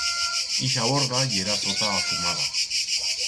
Ixa borda yera tota afumada.